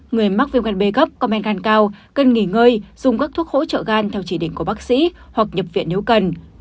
người mắc viêm gan b gấp comen gan cao cần nghỉ ngơi dùng các thuốc hỗ trợ gan theo chỉ định của bác sĩ hoặc nhập viện nếu cần